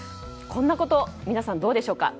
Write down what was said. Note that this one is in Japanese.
こんなこと、皆さんどうでしょう。